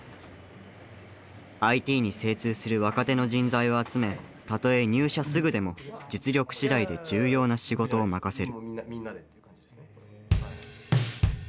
ＩＴに精通する若手の人材を集めたとえ入社すぐでも実力次第で重要な仕事を任せる。